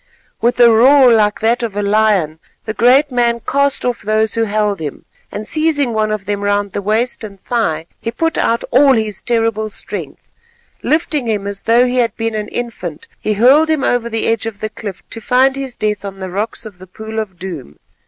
With a roar like that of a lion the great man cast off those who held him and seizing one of them round the waist and thigh, he put out all his terrible strength. Lifting him as though he had been an infant, he hurled him over the edge of the cliff to find his death on the rocks of the Pool of Doom.